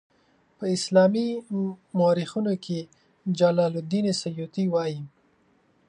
په اسلامي مورخینو کې جلال الدین سیوطي وایي.